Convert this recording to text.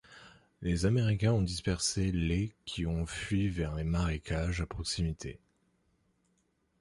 Les Américains ont dispersé les ' qui ont fui vers les marécages à proximité.